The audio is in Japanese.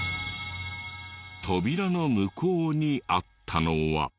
扉の向こうにあったのは。